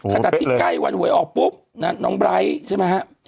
ขนาดที่ใกล้วันหวยออกปุ๊บน้องไบร์ทใช่ไหมฮะ